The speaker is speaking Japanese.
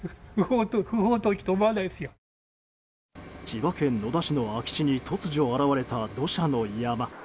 千葉県野田市の空き地に突如現れた土砂の山。